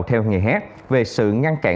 theo nghề hát về sự ngăn cản